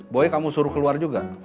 boy kamu suruh keluar juga